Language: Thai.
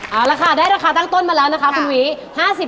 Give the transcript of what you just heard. เอาละค่ะได้ราคาตั้งต้นมาแล้วนะคะคุณหวี